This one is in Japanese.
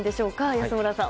安村さん。